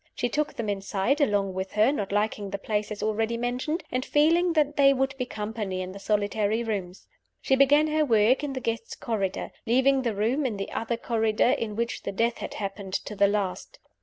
She took them inside, along with her not liking the place, as already mentioned, and feeling that they would be company in the solitary rooms. She began her work in the Guests' Corridor leaving the room in the other corridor, in which the death had happened, to the last.